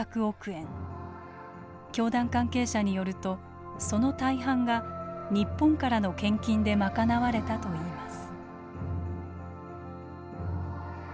教団関係者によるとその大半が日本からの献金で賄われたといいます。